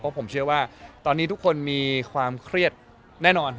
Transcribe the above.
เพราะผมเชื่อว่าตอนนี้ทุกคนมีความเครียดแน่นอน